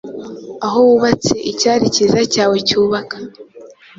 Aho wubatse icyari cyiza cyawe cyubaka,